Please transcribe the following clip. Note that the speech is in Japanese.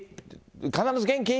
必ず元気？